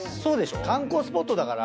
観光スポットだから。